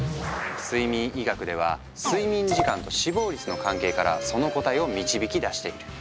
睡眠医学では睡眠時間と死亡率の関係からその答えを導き出している。